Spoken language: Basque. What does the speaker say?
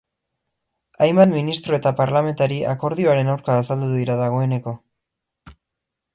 Hainbat ministro eta parlamentari akordioaren aurka azaldu dira dagoeneko.